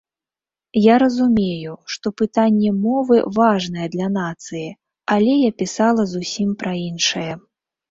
Я разумею, што пытанне мовы важнае для нацыі, але я пісала зусім пра іншае.